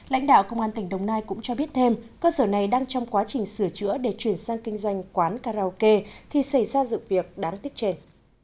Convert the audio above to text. lãnh đạo công an tỉnh đồng nai cũng cho biết thêm cơ sở này đang trong quá trình sửa chữa để chuyển sang kinh doanh quán karaoke thì xảy ra sự việc đáng tiếc trên